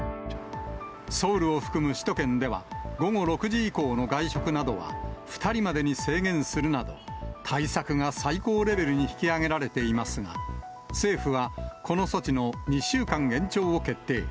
ソウルを含む首都圏では、午後６時以降の外食などは２人までに制限するなど、対策が最高レベルに引き上げられていますが、政府はこの措置の２週間延長を決定。